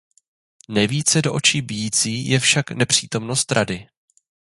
Nejvíce do očí bijící je však nepřítomnost Rady.